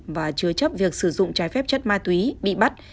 và chứa chấp việc sử dụng trái phép chất ma túy bị bắt